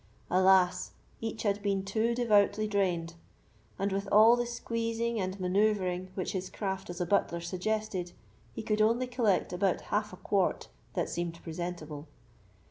Alas! each had been too devoutly drained; and, with all the squeezing and manoeuvring which his craft as a butler suggested, he could only collect about half a quart that seemed presentable.